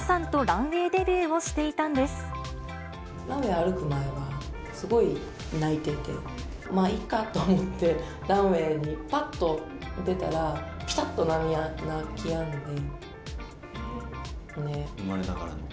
ランウェイ歩く前は、すごい泣いていて、まあいいかと思って、ランウェイにぱっと出たら、生まれながらに。